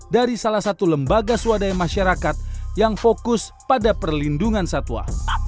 dari salah satu lembaga swadaya masyarakat yang fokus pada perlindungan satwa